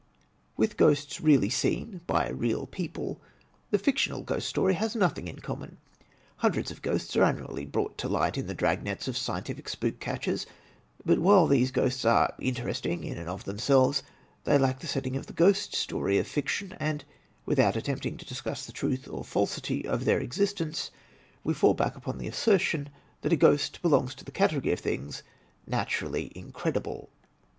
With ghosts really seen by real people, the fictional Ghost Story has nothing in common. Hundreds of ghosts are annually brought to light in the dragnets of scientific spook catchers. But while these ghosts are interesting in and of themselves, they lack the setting of the Ghost Story of fiction, and without attempting to discuss the truth or falsity of their existence we fall back upon the assertion that a ghost belongs to the category of things naturally incredible.